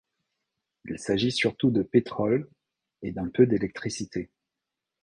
Il s'agit surtout de pétrole, et d'un peu d'électricité.